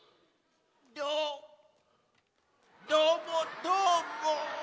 どどーもどーも。